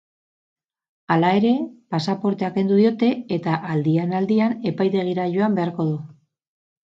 Hala ere, pasaportea kendu diote eta aldian-aldian epaitegira joan beharko du.